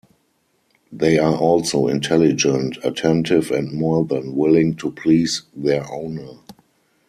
They are also intelligent, attentive and more than willing to please their owner.